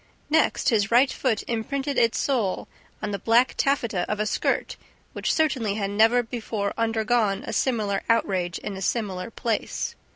Next, his right foot imprinted its sole on the black taffeta of a skirt which certainly had never before undergone a similar outrage in a similar place.